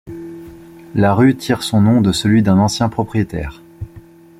La rue tire son nom de celui d'un ancien propriétaire.